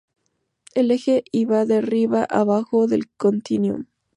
El eje y va de arriba a abajo del Continuum.